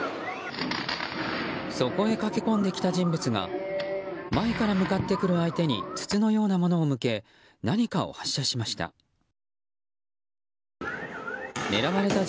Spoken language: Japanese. そこへ駆け込んできた人物が前から向かってくる相手に筒のようなものを向け何かを発射しました。